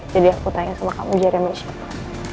jadi aku tanya sama kamu jeremy siapa